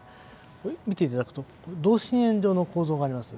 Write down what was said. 見ていただくと同心円状の構造があります。